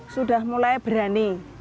sudah mulai berani